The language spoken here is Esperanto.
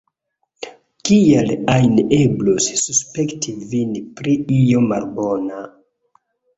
Kial ajn eblus suspekti vin pri io malbona!